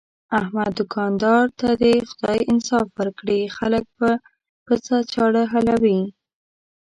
احمد دوکاندار ته دې خدای انصاف ورکړي، خلک په پڅه چاړه حلالوي.